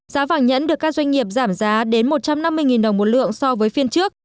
giá vàng nhẫn được các doanh nghiệp giảm giá đến một trăm năm mươi đồng một lượng so với phiên trước